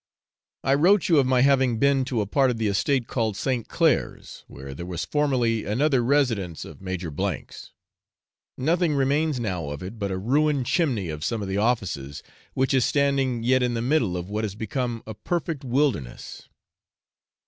I wrote you of my having been to a part of the estate called St. Clair's, where there was formerly another residence of Major 's; nothing remains now of it but a ruined chimney of some of the offices, which is standing yet in the middle of what has become a perfect wilderness.